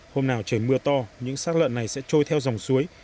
hôm nào trời mưa to những sát lợn này sẽ trôi theo dòng suối